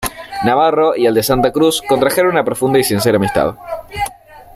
Navarro y el de Santa Cruz contrajeron una profunda y sincera amistad.